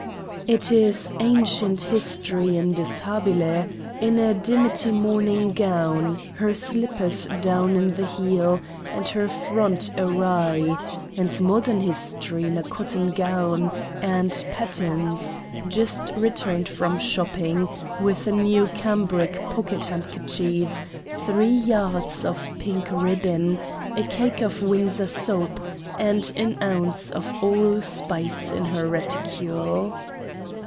It is Ancient History in dishabille, in a dimity morning gown, her slippers down in the heel, and her front awry ; and Modern History in a cotton gown, and pattens, just re turned from shopping, with a new cambric pocket handker chief, three yards of pink ribbon, a cake of Windsor soap, and an ounce of all spice in her reticule.